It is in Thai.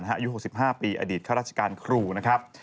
อายุ๖๕ปีอดีตข้าราชการครูนะครับ